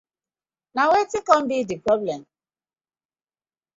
Na wetin com bi di problem.